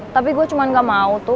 tapi gue cuma gak mau tuh